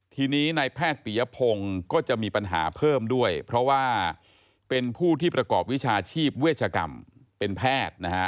ทีนี้ในแพทย์ปียพงศ์ก็จะมีปัญหาเพิ่มด้วยเพราะว่าเป็นผู้ที่ประกอบวิชาชีพเวชกรรมเป็นแพทย์นะฮะ